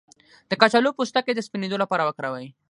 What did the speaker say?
د کچالو پوستکی د سپینیدو لپاره وکاروئ